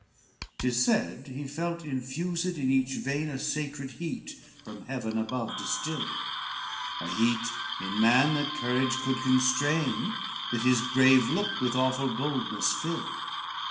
LXXVII Tis said he felt infused in each vein, A sacred heat from heaven above distilled, A heat in man that courage could constrain That his brave look with awful boldness filled.